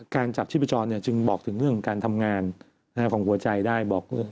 การจับชีพจรจึงบอกถึงเรื่องของการทำงานของหัวใจได้บอก